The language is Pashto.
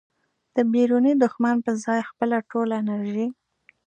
د بیروني دښمن په ځای خپله ټوله انرژي